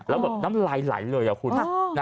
แล้วเสียงน้ำไหล่เลยแน้วคุณ